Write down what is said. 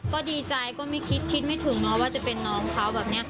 ก็ดีใจก็คิดไม่ถึงว่าจะเป็นน้องเขาแบบนี้